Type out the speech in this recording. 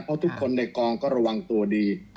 เพราะทุกคนในกองก็ระวังตัวดี